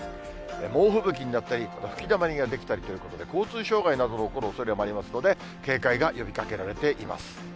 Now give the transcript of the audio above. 猛吹雪になったり、吹きだまりが出来たりということで、交通障害などの起こるおそれもありますので、警戒が呼びかけられています。